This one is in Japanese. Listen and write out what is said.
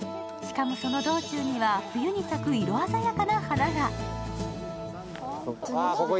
しかも、その道中には冬に咲く色鮮やかな花が。